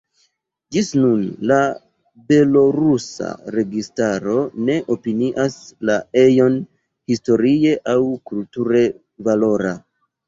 Ĝis nun la belorusa registaro ne opinias la ejon historie aŭ kulture valora.